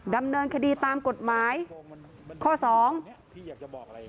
ดำเนินคดีตามกฎหมายข้อสองพี่อยากจะบอกอะไร